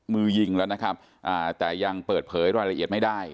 มือยิงแล้วนะครับอ่าแต่ยังเปิดเผยรายละเอียดไม่ได้